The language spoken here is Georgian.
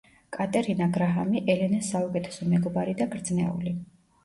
კატერინა გრაჰამი, ელენას საუკეთესო მეგობარი და გრძნეული.